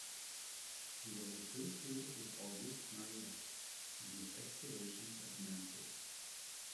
He was associated with Auguste Mariette in his excavations at Memphis.